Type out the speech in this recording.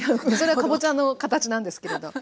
それはかぼちゃの形なんですけれど。